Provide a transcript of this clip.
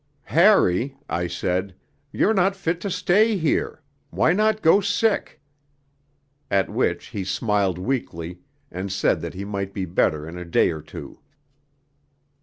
"' 'Harry,' I said, 'you're not fit to stay here why not go sick?' At which he smiled weakly, and said that he might be better in a day or two.